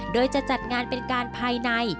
โดยจะจัดงานเป็นการภายใน